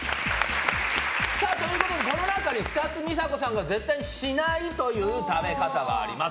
この中に２つ、美佐子さんが絶対にしないという食べ方があります。